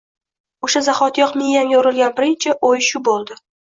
O`sha zahotiyoq miyamga urilgan birinchi o`y shu bo`ldi